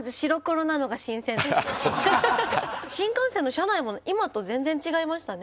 新幹線の車内も今と全然違いましたね。